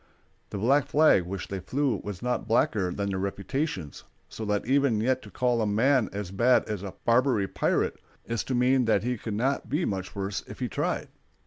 The black flag which they flew was not blacker than their reputations, so that even yet to call a man as bad as a Barbary pirate is to mean that he could not be much worse if he tried.